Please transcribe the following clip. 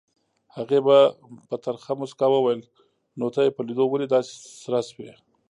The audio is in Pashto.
هغې په ترخه موسکا وویل نو ته یې په لیدو ولې داسې سره شوې؟